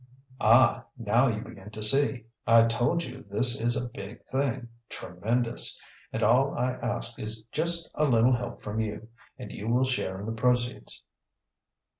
"Ah, now you begin to see! I told you this is a big thing tremendous! And all I ask is just a little help from you, and you will share in the proceeds."